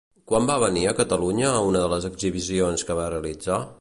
Quan va venir a Catalunya una de les exhibicions que va realitzar?